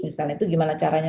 misalnya itu gimana caranya